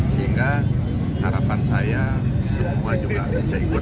sehingga harapan saya semua juga bisa ikut